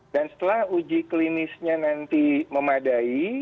dan setelah uji klinisnya nanti memadai